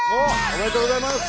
ありがとうございます。